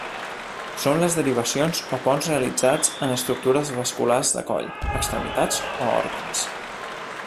Són les derivacions o ponts realitzats en estructures vasculars de coll, extremitats o òrgans.